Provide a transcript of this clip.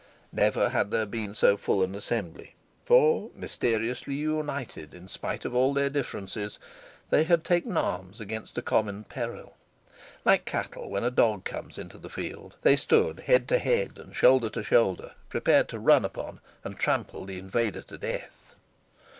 Never had there been so full an assembly, for, mysteriously united in spite of all their differences, they had taken arms against a common peril. Like cattle when a dog comes into the field, they stood head to head and shoulder to shoulder, prepared to run upon and trample the invader to death.